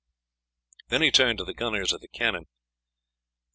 Then he turned to the gunners at the cannon.